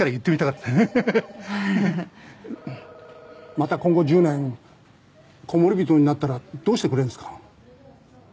また今後１０年コモリビトになったらどうしてくれるんですか？